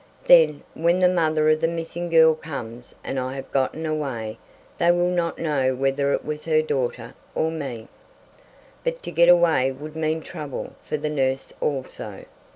"Then, when the mother of the missing girl comes and I have gotten away, they will not know whether it was her daughter, or me." But to get away would mean trouble for the nurse also.